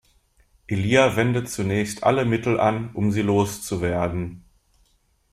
Elia wendet zunächst alle Mittel an, um sie loszuwerden.